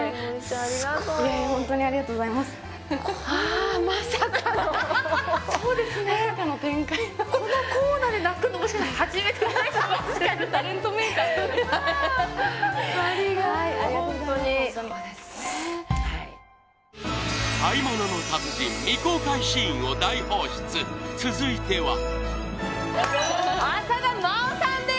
ありがとうホントに買い物の達人未公開シーンを大放出続いては浅田真央さんです！